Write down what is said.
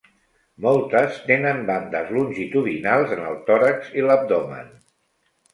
Moltes tenen bandes longitudinals en el tòrax i l'abdomen.